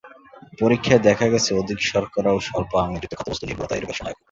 পরীক্ষায় দেখা গেছে যে, অধিক শর্করা ও স্বল্প আমিষযুক্ত খাদ্যবস্ত্ত নির্ভরতা এ রোগের সহায়ক।